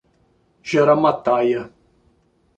Jaramataia